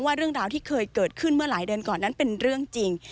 เรื่องราวที่เคยเกิดขึ้นเมื่อหลายเดือนก่อนนั้นเป็นเรื่องจริง